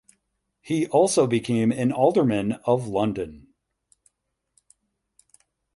He also became an Alderman of London.